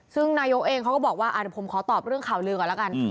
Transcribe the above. ซึ่งนายกเองเขาก็บอกว่าเดี๋ยวผมขอตอบเรื่องข่าวลือก่อนแล้วกัน